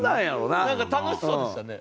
なんか楽しそうでしたね。